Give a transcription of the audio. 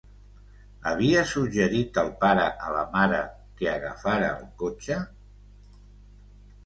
Havia suggerit el pare a la mare que agafara el cotxe?